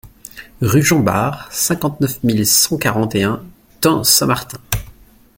Rue Jean Bar, cinquante-neuf mille cent quarante et un Thun-Saint-Martin